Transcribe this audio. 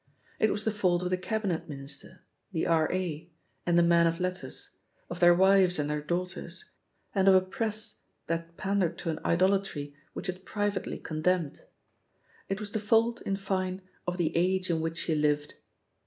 It was the fault of the Cabiaet Minister, the R.A., and the man of letters, of their wives and their daughters, and of a Press that pandered to an idolatry which it privately condemned: it was the fault, in fine, of the age in which she lived.